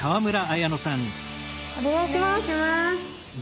お願いします。